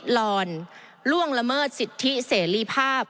ลอนล่วงละเมิดสิทธิเสรีภาพ